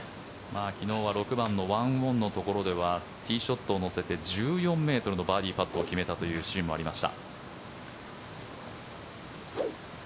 昨日は６番の１オンのところではティーショットを乗せてバーディーパットを決めたというシーンもありました。